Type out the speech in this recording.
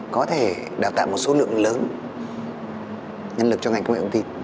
có thể đào tạo một số lượng lớn nhân lực cho ngành công nghệ thông tin